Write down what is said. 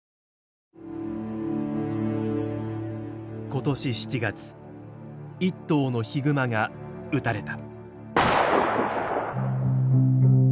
今年７月一頭のヒグマが撃たれた。